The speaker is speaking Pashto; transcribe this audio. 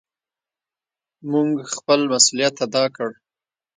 مونږ خپل مسؤليت ادا کړ.